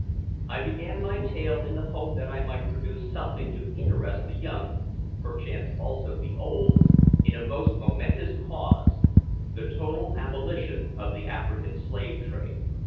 I began my tale in the hope that I might produce something to interest the young (perchance, also, the old) in a most momentous cause, the total abolition of the African slave trade.